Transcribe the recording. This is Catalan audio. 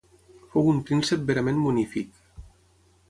Fou un príncep verament munífic.